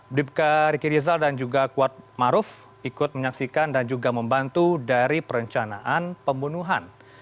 bribka rikirizal dan juga kuatmaruf ikut menyaksikan dan juga membantu dari perencanaan